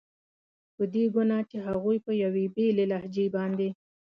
په دې ګناه چې هغوی په یوې بېلې لهجې باندې.